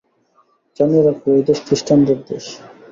জানিয়া রাখো, এই দেশ খ্রীষ্টানের দেশ।